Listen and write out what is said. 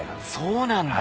そうなんだ。